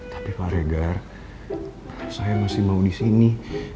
tapi pak regar saya masih mau di sini